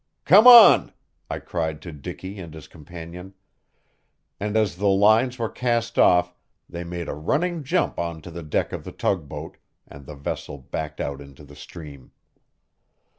"Come on!" I cried to Dicky and his companion. And as the lines were cast off they made a running jump on to the deck of the tug boat, and the vessel backed out into the stream.